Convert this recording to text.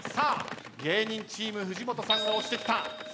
芸人チーム藤本さんが押してきた。